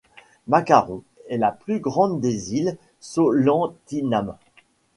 Mancarrón est la plus grande des Îles Solentiname.